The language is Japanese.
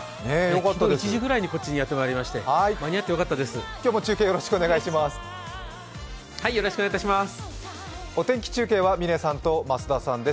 今日の１時ぐらいにこちらにやってきまして間に合ってよかったです。